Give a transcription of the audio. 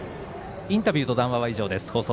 インタビューと談話は以上です。